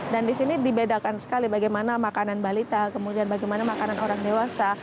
dan di sini dibedakan sekali bagaimana makanan balita kemudian bagaimana makanan orang dewasa